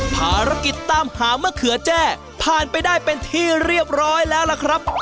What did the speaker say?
ภารกิจตามหามะเขือแจ้ผ่านไปได้เป็นที่เรียบร้อยแล้วล่ะครับ